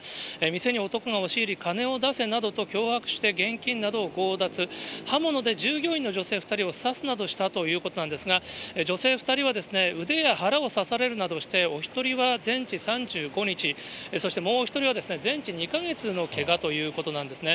店に男が押し入り、金を出せなどと脅迫して、現金などを強奪、刃物で従業員の女性２人を刺すなどしたということなんですが、女性２人は腕や腹を刺されるなどして、お１人は全治３５日、そしてもう１人は全治２か月のけがということなんですね。